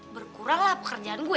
berkuranglah pekerjaan gue